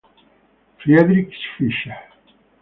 Friedrich Fischer